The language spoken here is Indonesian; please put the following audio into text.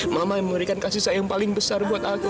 mama yang memberikan kasih sayang paling besar buat aku